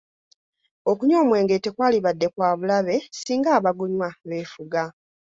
Okunywa omwenge tekwalibadde kwa bulabe singa abagunywa beefuga.